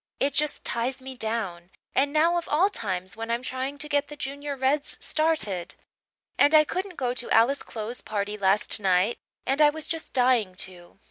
It just ties me down and now of all times when I'm trying to get the Junior Reds started. And I couldn't go to Alice Clow's party last night and I was just dying to.